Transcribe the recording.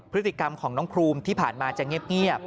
พฤติกรรมของน้องครูที่ผ่านมาจะเงียบ